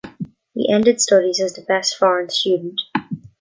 He ended studies as the best foreign student.